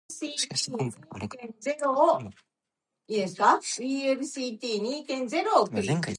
He then left Paris to join the French Resistance.